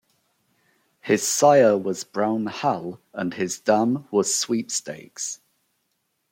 His sire was Brown Hal and his dam was Sweepstakes.